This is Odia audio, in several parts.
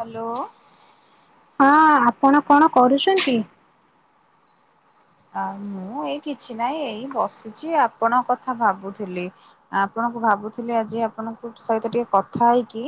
ହାଲୋ ହଁ ଆପଣ କଣ କରୁଛନ୍ତି? ଆ ମୁଁ ଏଇ କିଛି ନାଇଁ ଏଇ ବସିଚି ଆପଣଙ୍କ କଥା ଭାବୁଥିଲି ଆ ଆପଣଙ୍କୁ ଭାବୁଥିଲି ଆଜି ଆପଣଙ୍କୁ ସହିତ ଟିକେ କଥା ହେଇକି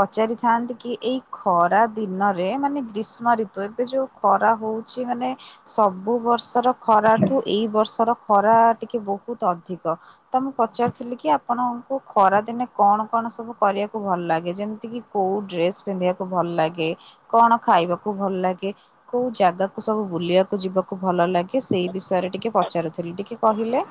ପଚାରିଥାନ୍ତି କି ଏଇ ଖରା ଦିନରେ ମାନେ ଗ୍ରୀଷ୍ମ ଋତୁ ଏବେ ଯୋଉ ଖରା ହୋଉଚି ମାନେ ସବୁବର୍ଷ ର୍ଷର ଖରାଠୁ ଏଇ ବର୍ଷର ଖରା ଟିକେ ବୋହୁତ ଅଧିକ ତ ମୁଁ ପଚାରୁିଥିଲି କି ଆପଣଙ୍କୁ ଖରାଦିନେ କଣ କଣ ସବୁ କରିବାକୁ ଭଲ ଲାଗେ ଯେମତି କିି କୋଉ ଡ୍ରେସ ପିନ୍ଧିବାକୁ ଭଲ ଲାଗେ କଣ ଖାଇବାକୁ ଭଲ ଲାଗେ କୋଉ ଜାଗାକୁ ସବୁ ବୁଲିବାକୁ ଯିବାକୁ ଭଲ ଲାଗ ଗେ ସେଇ ବିଷୟରେ ଟିକେ ପଚାରୁଥିଲି ଟିକେ କହିଲେ।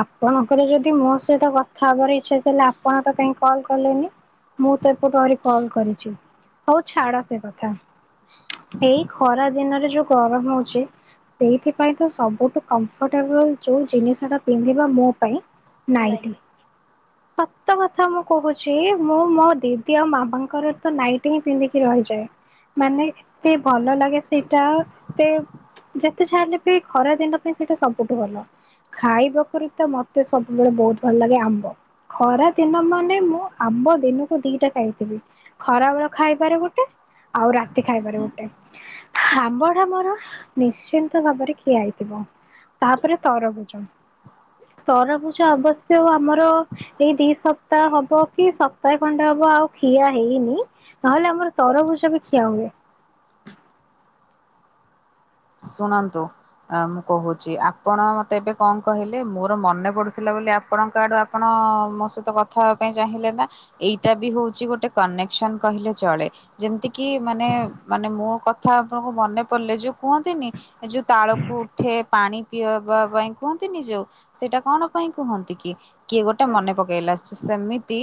ଆପଣଙ୍କର ଯଦି ମୋ ସହିତ କଥା ହବାର ଇଚ୍ଛା ଥିଲା ଆପଣ ତ କାଇଁ କଲ କଲେନି। ମୁଁ ତ ଏପଟୁ ଅଳି କଲ୍ କରିଚୁ ହୋଉ ଛାଡ ସେ କଥା ଏଇ ଖରା ଦିନରେ ଯୋଉ ଗରମ ହୋଉଛି ସେଇଥିପାଇଁ ତ ସବୁଠୁ କମ୍ଫର୍ଟେବଲ ଯୋଉ ଜିନିଷ ଟା ପିନ୍ଧିବା ମୋ ପାଇଁ ନାଇଟି ସତ କଥା ମୁଁ କୋହୁଚି ମୁଁ ମୋ ଦିଦି ଆଉ ମାମାଙ୍କର ତ ନାଇଟି ହିଁ ପିନ୍ଧିକି ରହିଯାଏ ମାନେ ଏତେ ଭଲ ଲାଗେ ସେଇଟା ସେ ଯେତେ ଯାହାହେଲେ ବି ଖରା ଦିନ ପାଇଁ ସେଇଟା ସବୁଠୁ ଭଲ ଖାଇବା ବିତ ମତେ ସବୁବେଳେ ବୋହୁତ ଭଲ ଲାଗେ ଆମ୍ବ ଖରାଦିନ ମାନେ ମୁଁ ଆମ୍ବ ଦିନକୁ ଦିଟା ଖାଇଥିବି ଖରାବେଳ ଖାଇବାରେ ଗୋଟେ ଆଉ ରାତି ଖାଇବାରେ ଗୋଟେ ଆମ୍ବଟା ମୋର ନିଶ୍ଚିନ୍ତ ଭାବରେ ଖିଆ ହେଇଥିବ ତାପରେ ତରଭୁଜ। ତରଭୁଜ ଅବଶ୍ୟ ଆମର ଏଇ ଦି ସପ୍ତାହ ହବ କି ସପ୍ତାହେ ଖଣ୍ଡେ ହବ ଆଉ ଖିଆ ହେଇନି ନହେଲେ ଆମର ତରଭୁଜ ବି ଖିଆହୁଏ। ଶୁଣନ୍ତୁ ଆ ମୁଁ କୋହୁଚି ଆପଣ ମତେ ଏବେ କଣ କହିଲେ ମୋର ମନେ ପଡୁଥିଲା ବୋଲି ଆପଣଙ୍କ ଆଡୁ ଆପଣ ମୋ ସହିତ କଥା ହେବା ପାଇଁ ଚାହିଁଲେ ନା ଏଇଟା ବି ହୋଉଚି ଗୋଟେ କନେକ୍ସନ କହିଲେ ଚଳେ ଯେମତି କିି ମାନେ ମାନେ ମୋ କଥା ଆପଣଙ୍କୁ ମନେ ପଡିଲେ ଯୋଉ କୁହ ନ୍ତିନି ଏ ଯୋଉ ତାଳକୁ ଉଠେ ପାଣି ପିଅବା ପାଇଁ କୁହନ୍ତିନି ଯୋଉ ସେଇଟା କଣ ପାଇଁ କୁହନ୍ତି କି କିଏ ଗୋଟେ ମନେ ପକେଇଲା ସ୍ ସେମି ତି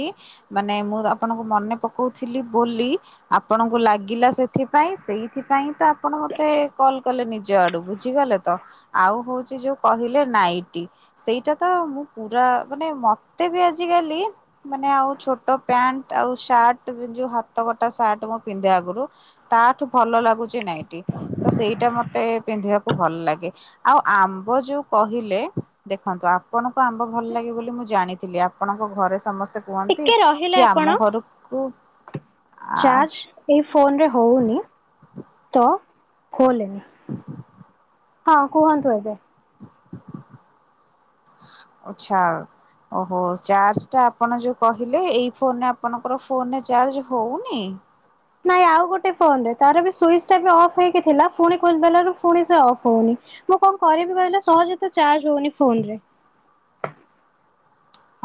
ମାନେ ମୋର ଆପଣଙ୍କୁ ମନେ ପକୋଉଥିଲି ବୋଲି ଆପଣଙ୍କୁ ଲାଗିଲା ସେଥିପାଇଁ ସେଇଥିପାଇଁ ତ ଆ ଆପଣ ମତେ କଲ କଲେ ନିଜ ଆଡୁ ବୁଝିଗଲେ ତ ଆଉ ହୋଉଚି ଯୋଉ କହିଲେ ନାଇଟି ସେଇଟା ତ ମୁଁ ପୁରା ମାନେ ମତେ ବି ଆଜିିକାଲି ମାନେ ଆଉ ଛୋଟ ପ୍ୟାଣ୍ଟ୍ ଆଉ ସାର୍ଟ୍ ଯୋଉ ହାତ ଗୋଟା ସାର୍ଟ ମୁଁ ପିନ୍ଧେ ଆଗରୁ ତାଠୁ ଭଲ ଲାଗୁଚି ନାଇଟି ତ ସେଇ ସେଟା ମତେ ପିନ୍ଧିବାକୁ ଭଲ ଲାଗେ ଆଉ ଆମ୍ବ ଯୋଉ କହିଲେ ଦେଖନ୍ତୁ ଆପଣଙ୍କୁ ଆମ୍ବ ଭଲ ଲାଗେ ବୋଲି ମୁଁ ଜାଣିଥିଲି ଆପଣଙ୍କ ଘରେ ସମସ୍ ସ୍ତେ କୁହନ୍ତି ଟିକେ ରହିଲେ କି ଆପଣ। ଆମ ଘରକୁ ଆ ଫୋନରେ ହୋଉନି ତ ଖୋଲେନି ହଁ କୁହନ୍ତୁ ଏବେ। ଆଛା ଓହୋ ଚାର୍ଜଟା ଆପଣ ଯୋଉ କହିଲେ ଏଇ ଫୋନରେ ଆପଣଙ୍କର ଫୋନରେ ଚାର୍ଜ ହୋଉନି? ନାଇଁ ଆଉ ଗୋଟେ ଫୋନରେ ତାର ବି ସୁଇଚଟା ବି ଅଫ ହେଇକି ଥିଲା ଫୁଣି ଖୋଲି ଦେଲାରୁ ଫୁଣି ସେ ଅଫ ହୋଉନି ମୁଁ କଣ କରିବି କହିଲେ ସହଜେ ତ ଚାର୍ଜ ହୋଉନି ଫୋନରେ।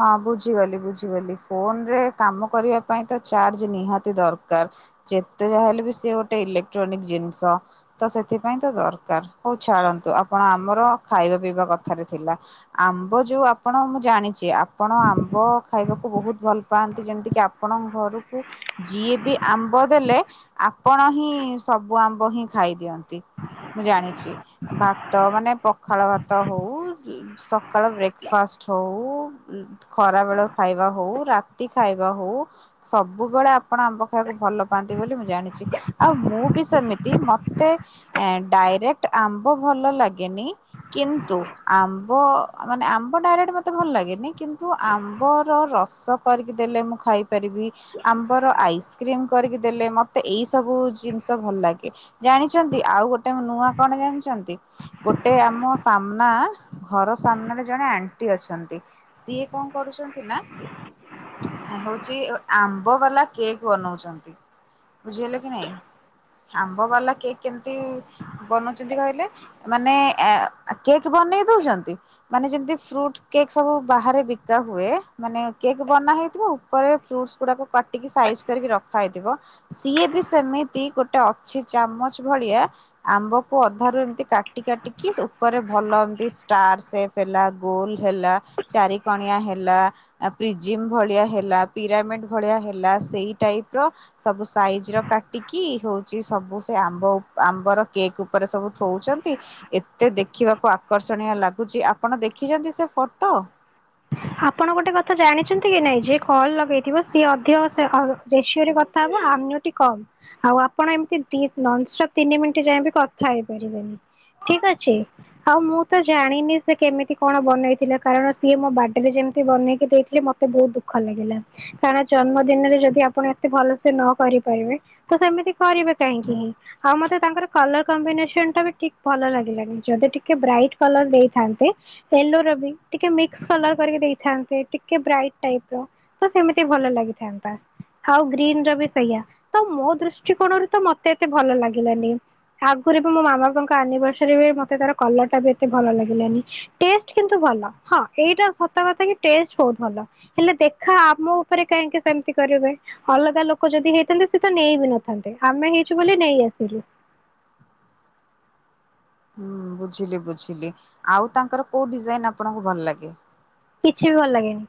ହଁ ବୁଝିଗଲି ବୁଝିଗଲି ଫୋନରେ କାମ କରିବା ପାଇଁ ତ ଚାର୍ଜ ନିହାତି ଦରକାର ଯେତେ ଯାହା ହେଲେ ବି ସିଏ ଗୋଟେ ଇଲେକ୍ଟ୍ରୋନିକ ଜିନିଷ ତ ସେଥିପାଇଁ ତ ଦରକାର ହୋଉ ଛାଡ଼ନ୍ତୁ ଆପଣ ଆମର ଖାଇବା ପିଇବା କଥାରେ ଥିଲା ଆମ୍ବ ଯୋଉ ଆପଣ ମୁଁ ଜାଣିଚି ଆ ଆପଣ ଆମ୍ବ ଖାଇବାକୁ ବୋହୁତ ଭଲ ପାଆନ୍ତି ଯେମିତି କିି ଆପଣଙ୍କ ଘରକୁ ଯିଏ ବି ଆମ୍ବ ଦେଲେ ଆପଣ ହିଁ ସବୁ ଆମ୍ବ ହିଁ ଖାଇଦିଅନ୍ତି ମୁଁ ଜାଣିଛି ଭାତ ମାନେ ପଖାଳ ଭାତ ହୋଉ ସକାଳ ବ୍ରେକଫାଷ୍ଟ୍ ହୋଉ ଖରାବେଳ ଖାଇବା ହୋଉ ରାତି ଖାଇବା ହୋଉ ସବୁବେଳେ ଆପଣ ଆମ୍ବ ଖାଇବାକୁ ଭଲ ପାଆନ୍ତି ବୋଲି ମୁଁ ଜାଣିଚି ଆଉ ମୁଁ ବି ସେମିତି ମତେ ଏଁ ଡାଇରେକ୍ଟ ଆମ୍ବ ଭଲ ଲାଗେନି କିନ୍ତୁ ଆମ୍ବ ମାନେ ଆମ୍ବ ଡାଇରେକ୍ଟ୍ ମତେ ଭଲ ଲାଗେନି କିନ୍ତୁ ଆମ୍ବର ରସ କରି ଦେଲେ ମୁଁ ଖାଇପାରିବି ଆମ୍ବର ଆଇସ୍କ୍ରିମ୍ କରିକି ଦେଲେ ମତେ ଏଇସବୁ ଜିନିଷ ଭଲ ଲାଗେ ଜାଣିଚନ୍ତି ଆଉ ଗୋଟେ ନୂଆ କଣ ଜାଣଚନ୍ତି ଗୋଟେ ଆମ ସାମ୍ନା ଘର ସାମ୍ନାରେ ଜଣେ ଆଣ୍ଟି ଅଛନ୍ତି। ସିଏ କଣ କରୁଚଚନ୍ତି ନା ଆ ହୋଉଚି ଆମ୍ବ ବାଲା କେକ୍ ବନୋଉଚନ୍ତି ବୁଝି ହେଲେ କି ନାଇଁ ଆମ୍ବ ବାଲା କେକ୍ କେମତି ବନୋଉଚନ୍ତି କହିଲେ ମାନେ ଏଁ କେକ୍ ବନେଇ ଦୋଉଚନ୍ତି ମାନେ ଯେମତି ଫ୍ରୁଟ୍ କେକ୍ ସବୁ ବାହାରେ ବିକା ହୁଏ ମାନେ କେକ୍ ବନା ହେଇଥିବ ଉପରେ ଫ୍ରୁଟସ୍ ଗୁଡାକୁ କାଟିକି ସାଇଜ କରିକି ରଖା ହେଇଥିବ ସିଏ ବି ସେମିତି ଗୋଟେ ଅଛି ଚାମଚ ଭଳିଆ ଆମ୍ବକୁ ଅଧାରୁ ଏମତି କାଟି କାଟିକି ଉପରେ ଭଲ ଏମତି ଷ୍ଟାର୍ ସେପ୍ ହେଲା ଗୋଲ ହେଲା ଚାରିିକଣିଆ ହେଲା ଆଉ ପ୍ରିଜିମ୍ ଭଳିଆ ହେଲା ପିରାମିଡ୍ ଭଳିଆ ହେଲା ସେଇ ଟାଇପର ସବୁ ସାଇଜର କାଟିି କି ହଉଛି ସବୁ ସେ ଆମ୍ବ ଆମ୍ବର କେକ୍ ଉପରେ ସବୁ ଥଉଛନ୍ତି ଏତେ ଦେଖିବାକୁ ଆକର୍ଷଣୀୟ ଲାଗୁଛି ଆପଣ ଦେଖିଛନ୍ତି ସେ ଫଟୋ ଆପଣ ଗୋଟେ କଥା ଜାଣିଛନ୍ତି କି ନାଇଁ ଯେ କଲ ଲଗେଇଥିବ ସିଏ ଅଧିକ ରେସିଓରେ କଥା ହବ ଅନ୍ୟଟି କମ୍ ଆଉ ଆପଣ ଏମତି ନପ୍ ତିନି ମିନିଟ ଯାଇ କଥା ହେଇପାରିବେନି ଠିକ ଅଛି ଆଉ ମୁଁ ତ ଜାଣିନି ସେ କେମିତି କଣ ବନେଇଥିଲା କାରଣ ସିଏ ମୋ ଯେମିତି ବନେଇକି ଦେଇଥିଲେ ମତେ ବହୁତ ଦୁଃଖ ଲାଗିଲା କାରଣ ଜନ୍ମ ଦିନରେ ଯଦି ଆପଣ ଏତେ ଭଲ ସେ ନ କରିପାରିବେ ତ ସେମତି କରିବେ କାହିଁକି ହିଁ ଆଉ ମତେ ତାଙ୍କର କଲର କମ୍ବିନେସନ ଟା ବିିକ ଭଲ ଲାଗିଲାନି ଯଦି ଟିକେ ବ୍ରାଇଟ୍ କଲର ଦେଇଥାନ୍ତେ ୟେଲୋ ର ବି ଟିକେ ମିକ୍ସ ଦେଇଥାନ୍ତେ ଟିକେ ବ୍ରାଇଟ ର ତ ସେମିତି ଭଲ ଲାଗିଥାନ୍ତା ଆଉ ଗ୍ରୀନ ର ବି ସେଇଆ ତ ମୋ ଦୃଷ୍ଟିକୋଣରୁ ତ ମତେ ଏତେ ଭଲ ଲାଗିଲାନି ଆଗରୁ ବି ମୋ ମାମ ବାପାଭରୀ ମତେ ତ ଟାତ ଭଲ ଲାଗିଲାନ କି ଭଲ ହଁ ଏଇଟା କଥା କି ଟଷ୍ଟ ବହୁତ ଭଲ ହେଲେ ଦେଖା ଆମ ଉପରେ କାହିଁକି ସେମତି କରିବେ ଅଲଗା ଲୋକ ଯଦି ହେଇଥାନ୍ତେ ସେ ତ ନେଇ ବି ନଥାନ୍ତେ ଆମେ ହେଇଛୁ ବୋଲି ନେଇ ଆସିଲୁ। ହୁଁ ବୁଝିଲି ବୁଝିଲି ଆଉ ତାଙ୍କର କୋଉ ଡିଜାଇନ ଆପଣଙ୍କୁ ଭଲ ଲାଗେ? କିଛି ବି ଭଲ ଲାଗେନି।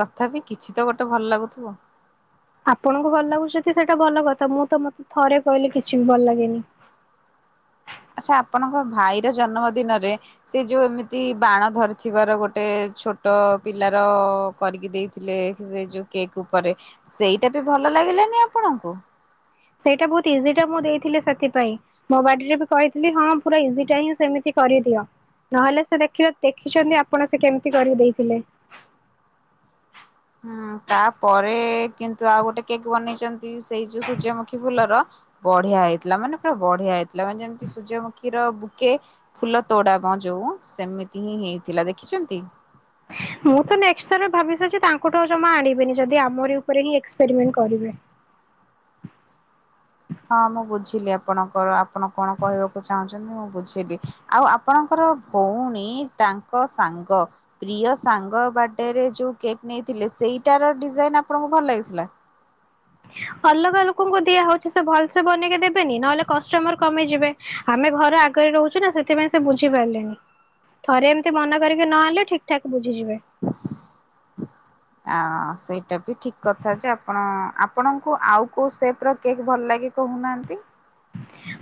ତଥାପି କିଛି ତ ଗୋଟେ ଭଲ ଲାଗୁଥିବ। ଆପଣଙ୍କୁ ଭଲ ଲାଗୁ ସତି ସେଟା ଟା ଭଲ କଥା ମୁଁ ତ ମତେ ଥରେ କହିଲେ କିଛି ବି ଭଲ ଲାଗେନି। ଆଚ୍ଛା ଆପଣଙ୍କ ଭାଇର ଜନ୍ମ ଦିନରେ ସେ ଯୋଉ ଏମିତି ବାଣ ଧରିଥିବାର ଗୋଟେ ଛୋଟ ପିଲାର କରିକି ଦେଇଥିଲେ ସେ ଯୋଉ କେକ୍ ଉପରେ ସେଇଟା ବି ଭଲ ଲାଗିଲାନି ଆପଣଙ୍କୁ? ସେଇଟା ବହୁ ତିଜି ଟା ମୁଁ ଦେଇଥିଲେି ସେଥିପାଇଁ ମୋ ବାଡ଼ିରେ ବି କହିଥିଲି ହଁ ପୁରା ଇଜିଟା ହିଁ ସେମିତି କରିଦିଅ ନହେଲେ ସେ ଦେଖ ଦେଖିଛନ୍ତି ଆପଣ ସେ କେମିତି କରି ଦେଇଥିଲେ। ହୁଁ ତାପରେ କିନ୍ତୁ ଆଉ ଗୋଟେ କେକ୍ ବନେଇଛନ୍ତି ସେଇ ଯୋଉ ସୂର୍ଯ୍ୟମୁଖୀ ଫୁଲର ବଢିଆ ହେଇଥିଲା ମାନେ ପୁରା ବଢିଆ ହେଇଥିଲା ମାନେ ଯେମିତି ସୂର୍ଯ୍ୟମୁଖୀର ବୁକେ ଫୁଲ ତୋଡାମ ଯୋଉ ସେମିତି ହିଁ ହେଇଥିଲା ଦେଖିଛନ୍ତି? ମୁଁ ତ ନେକ୍ସଟ୍ ଥର ଭାବି ସାରିଛି ତାଙ୍କଠୁ ଜମା ଆଣିବିନି। ଯଦି ଆମରି ଉପରେ ହିଁ ଏକ୍ସପେରିମେଣ୍ଟ କରିବେ। ହଁ ମୁଁ ବୁଝିଲି ଆପଣଙ୍କର ଆପଣ କଣ କହିବାକୁ ଚାହୁଁଛନ୍ତି ମୁଁ ବୁଝିଲି ଆଉ ଆପଣଙ୍କର ଭଉଣୀ ତାଙ୍କ ସାଙ୍ଗ ପ୍ରିୟ ସାଙ୍ଗ ବାର୍ଥଡେରେ ଯୋଉ କେକ୍ ନେଇଥିଲେ ସେଇଟାର ଡିଜାଇନ ଆପଣଙ୍କୁ ଭଲ ଲାଗିଥିଲା? ଅଲଗା ଲୋକଙ୍କୁ ଦିଆ ହଉଛି ସେ ଭଲ ସେ ବନେଇକି ଦେବେନି ନହେଲେ କଷ୍ଟମର କମେଇଯିବେ ଆମେ ଘର ଆଗରେ ରହୁଛୁ ନା ସେଥିପାଇଁ ସେ ବୁଝି ପାରିଲେନି ଥରେ ଏମିତି ମନ କରିକି ନହେଲେ ଠିକ ଠାକ ବୁଝ ହଁ ସେଇ ସେଇଟା ବି ଠିକ କଥା ଯେ ଆପଣ ଆପଣଙ୍କୁ ଆଉ କୋଉ ସେପ ର କେକ୍ ଭଲ ଲାଗେ କହୁନାହାନ୍ତି।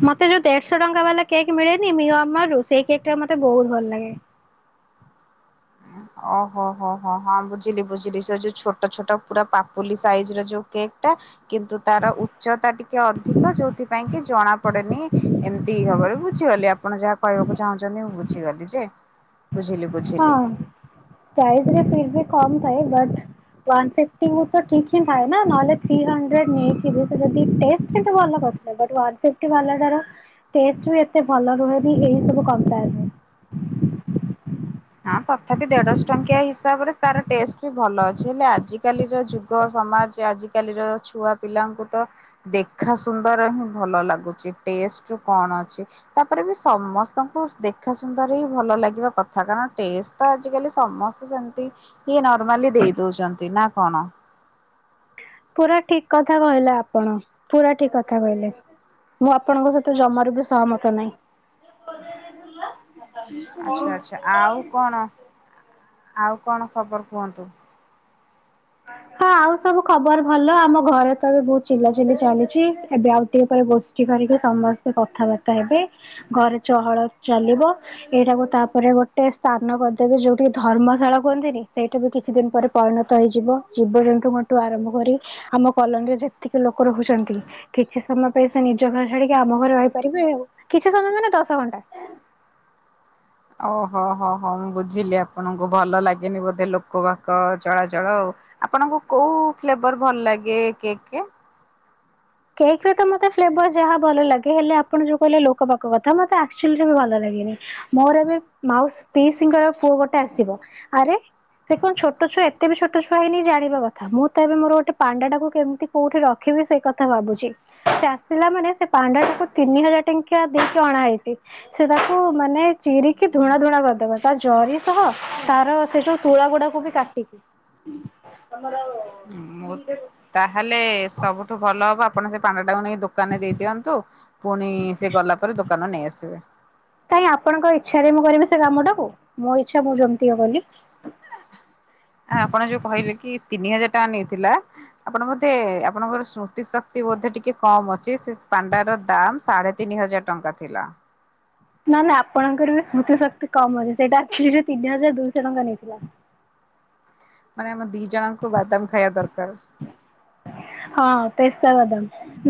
ମତେ ଯୋଉ ଦେଢଶହ ଟଙ୍କା ବାଲା କେକ୍ ମିଳେନି ମି ଅମର ରୁ ସେଇ କେକ୍ ଟା ମତେ ବହୁତ ଭଲ ଲାଗେ। ଓହୋ ହୋ ହୋ ହଁ ବୁଝିଲି ବୁଝିଲି ସେ ଯୋଉ ଛୋଟ ଛୋଟ ପୁରା ପାପୁଲି ସାଇଜ ର ଯୋଉ କେକ୍ ଟା କିନ୍ତୁ ତାର ଉଚ୍ଚତା ଟିକେ ଅଧିକ ଯୋଉଥିପାଇଁ କି ଜଣା ପଡେନି ଏମିତି ହବନ ବୁଝିଗଲି ଆପଣ ଯାହା କହିବାକୁ ଚାହୁଁଛନ୍ତି ମୁଁ ବୁଝିଗଲି ଯେ ବୁଝିଲି ବୁଝିଲି। ସାଇଜରେ ଫିର୍ବି କମ୍ ଥାଏ ବଟ ୱାନ୍ ଫିଫଟିକୁ ତ ଠିକ ହିଁ ଥାଏନା ନହେଲେ ଥ୍ରୀ ହଣ୍ଡ୍ରେଡ ନେଇଥିବେ ସେ ଯଦି ଟେଷ୍ଟ ହେତେ ଭଲ କରିଥିଲେ। ବୁଟ ୱାନ ଫିଫ୍ଟୀ ବାଲାଟାର ଟେଷ୍ଟ ବି ଏତେ ଭଲ ରହୁନି ଏହି ସବୁ କମ୍ପେୟାରରେ। ହଁ ତଥାପି ଦେଢଶହ ଟଙ୍କିଆ ହିସାବରେ ତାର ଟେଷ୍ଟ ବି ଭଲ ଅଛି ହେଲେ ଆଜିକାଲିର ଯୁଗ ସମାଜ ଆଜିକାଲିର ଛୁଆ ପିଲାଙ୍କୁ ତ ଦେଖା ସୁନ୍ଦର ହିଁ ଭଲ ଲାଗୁଛି ଟେଷ୍ଟ କଣ ଅଛି ତାପରେ ବି ସମସ୍ତଙ୍କୁ ଦେଖା ସୁନ୍ଦର ହିଁ ଭଲ ଲାଗିବା କଥା କାରଣ ତ ଆଜିକାଲି ସମସ୍ତେ ସେମତି ଇଏ ନର୍ମାଲି ଦେଇ ଦଉଛନ୍ତି ନା କଣ? ପୁରା ଠିକ କଥା କହିଲା ଆପଣ ପୁରା ଠିକ କଥା କହିଲେ ମୁଁ ଆପଣଙ୍କ ସହିତ ଜମାରୁ ବି ସହମତ ନାହିଁ। ଆଚ୍ଛା ଆଛା ଆଉ କଣ? ଆଉ କଣ ଖବର କୁହନ୍ତୁ? ହଁ ଆଉ ସବୁ ଖବର ଭଲ ଆମ ଘରେ ତ ଏବେ ବହୁତ ଚିଲା ଚିଲି ଚାଲିଛି। ଏବେ ଆଉ ଟିକେ ପରେ ଗୋଷ୍ଠୀ କରିକି ସମସ୍ତେ କଥାବାର୍ତ୍ତା ହେବେ ଘରେ ଚହଳ ଚାଲିବ ଏଇଟାକୁ ତାପରେ ଗୋଟେ ସ୍ଥାନ କରିଦେବେ ଯୋଉଠିକି ଧର୍ମଶାଳ କୁହନ୍ତିନି ସେଇଟା ବି କିଛି ଦିନ ପରେ ପରିଣତ ହେଇଯିବ। ଯିବ ଜୀବଜନ୍ତୁଙ୍କଠୁ ଆରମ୍ଭ କରି ଆମ କଲୋନୀରେ ଯେତିକି ଲୋକ ରହୁଛନ୍ତି କିଛି ସମୟ ପାଇଁ ସେ ନିଜ ଘର ଛାଡିକି ଆମ ଘରେ ରହିପାରିବେ ଆଉ କିଛି ସମୟ ମ ଦଶ ଘଣ୍ଟା। ଓହୋ ହୋ ହୋ ମୁଁ ବୁଝିଲି ଆପଣଙ୍କୁ ଭଲ ଲାଗେନି ବୋଧେ ଲୋକ ଭାକ ଚଳାଚଳ ଆଉ ଆପଣଙ୍କୁ କୋଉ ଫ୍ଲେଭର ଭଲ ଲାଗେ କେକ୍? କେକ୍ ରେ ତ ମତେ ଫ୍ଲେଭର ଯାହା ଭଲ ଲାଗେ ହେଲେ ଆପଣ ଯୋଉ କହିଲେ ଲୋକ ପାଖ କଥା ମତେ ଆକ୍ଚୁଲିରେ ଭଲ ଲାଗେନି ମୋର ଏବେ ମାଉସ ପିଙ୍କର ପୁଅ ଗୋଟେ ଆସିବ ଆରେ ସେ କଣ ଛୋଟ ଛୁଆ ଏତେ ବି ଛୋଟ ଛୁଆ ହେଇନି ଜାଣିବା କଥା ମୁଁ ତ ଏବେ ମୋର ଗୋଟେ ପାଣ୍ଡା ଟାକୁ କେମିତି କୋଉଠି ରଖିବି ସେ କଥା ଥା ଭାବୁଛି ସେ ଆସିଲା ମାନେ ସେ ପାଣ୍ଡାଟିକୁ ତିନି ହଜାର ଟଙ୍କିଆ ଦେଇକି ଅଣା ହେଇଛି ସେ ତାକୁ ମାନେ ଚିରିକି ଧୂଣା ଧୁଣା କରିଦବା ତା ଜରି ସହ ତାର ସେ ଯୋଉ ତୁଳା ଗୁଡାକୁ ବି କାଟିକି। ମୁଁ ତାହେଲେ ସବୁଠୁ ଭଲ ହବ। ଆପଣ ସେ ପାଣ୍ଡ ଟାକୁ ନେଇ ଦୋକାନରେ ଦେଇ ଦିଅନ୍ତୁ। ପୁଣି ସେ ଗଲା ପରେ ଦୋକାନ ନେଇଆସିବେ କାଇହିଁ ଆପଣଙ୍କ ଇଚ୍ଛାରେ ମୁଁ କରିବି ସେ କାମ ଟାକୁ ମୋ ଇଚ୍ଛା ମୁଁ ଯେମିତି ହ ବୋଲି ଆପଣ ଯୋଉ କହିଲେ କି ତିନି ହଜାର ା ନେଇଥିଲା ଆପଣ ବୋଧେ ଆପଣଙ୍କର ସ୍ମୃତି ଶକ୍ତି ବୋଧେ ଟିକେ କମ ଅଛି ସେ ପାଣ୍ଡ ର ଦାମ ସାଢେ ତିନି ହଜାର ଟଙ୍କା ଥିଲା। ନା ନା ଆପଣଙ୍କର ବି ସ୍ମୃତି ଶକ୍ତି କମ ଅଛି ସେଇଟାଚ ତିନି ହଜାର ଦୁଇଶହ ଟଙ୍କା ନେଇଥିଲା। ମାନେ ଆମ ଦି ଜଣଙ୍କୁ ବାଦାମ ଖାଇବା ଦରକାର ହଁ ତୋ ବାଦାମ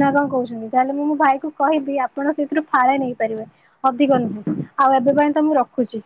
ନା କଣ କହୁଛନ୍ତି ତାହେଲେ ମୁଁ ମୋ ଭାଇ କ କହିବି ଆପଣ ସେଥିରୁ ଫାଳେ ନେଇପାରିବେ ଅଧିକ ନୁହେଁ ଆଉ ଏବେ ପାଇଁ ତ ମୁଁ ରଖୁଛି।